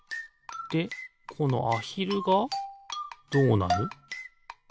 でこのアヒルがどうなる？